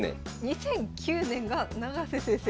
２００９年が永瀬先生